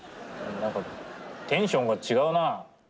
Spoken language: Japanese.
なんかテンションが違うな。